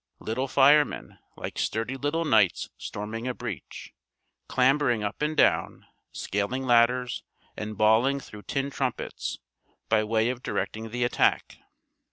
Little firemen, like sturdy little knights storming a breach, clambering up and down scaling ladders, and bawling through tin trumpets, by way of directing the attack.